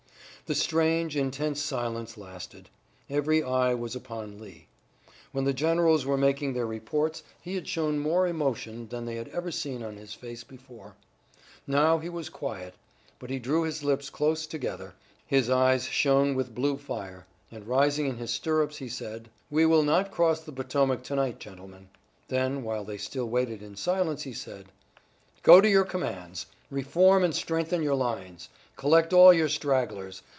The strange, intense silence lasted. Every eye was upon Lee. When the generals were making their reports he had shown more emotion than they had ever seen on his face before. Now he was quiet, but he drew his lips close together, his eyes shone with blue fire, and rising in his stirrups he said: "We will not cross the Potomac to night, gentlemen." Then while they still waited in silence, he said: "Go to your commands! Reform and strengthen your lines. Collect all your stragglers.